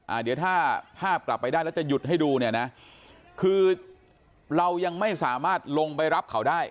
อ่าเดี๋ยวถ้าภาพกลับไปได้แล้วจะหยุดให้ดูเนี่ยนะคือเรายังไม่สามารถลงไปรับเขาได้